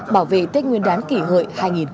bảo vệ tết nguyên đán kỷ hợi hai nghìn một mươi chín